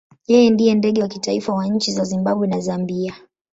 Yeye ndiye ndege wa kitaifa wa nchi za Zimbabwe na Zambia.